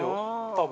多分。